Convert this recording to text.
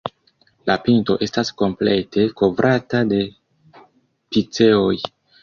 La pinto estas komplete kovrata de piceoj.